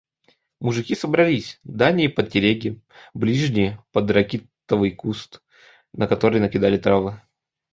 Мужики собрались — дальние под телеги, ближние — под ракитовый куст, на который накидали травы.